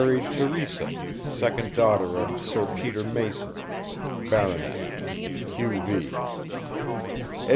Teresa, 2d daughter of Sir Peter Mason Bart. 9 v.